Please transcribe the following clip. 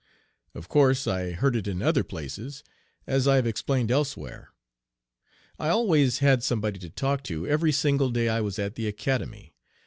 Of course I heard it in other places, as I have explained elsewhere. I always had somebody to talk to every single day I was at the Academy.